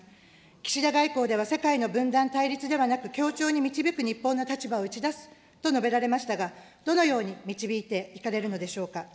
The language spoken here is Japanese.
岸田外交では、世界の分断・対立ではなく、協調に導く日本の立場を打ち出すと述べられましたが、どのように導いていかれるのでしょうか。